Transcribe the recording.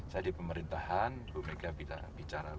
saya di pemerintahan ibu mega bicara